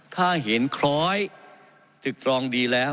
ถ้าเห็นคล้อยตึกตรองดีแล้ว